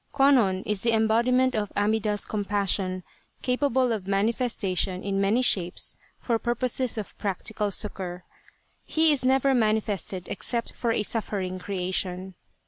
KWANNON is the Embodiment of Amida's Compassion, capable of manifestation in many shapes for purposes of practical succour. He is never manifested except for a suffer ing creation.